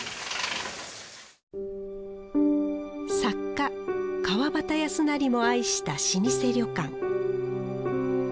作家川端康成も愛した老舗旅館。